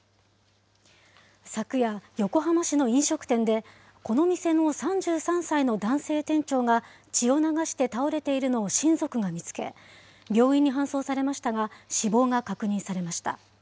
昨夜、横浜市の飲食店で、この店の３３歳の男性店長が血を流して倒れているのを親族が見つけ、病院に搬送されましたが、死亡が確認されました。